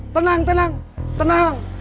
tenang tenang tenang